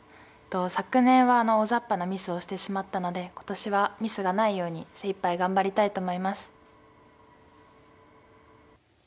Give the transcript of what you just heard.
昨年は大ざっぱなミスをしてしまったので今年はミスがないように精いっぱい頑張りたいと思います。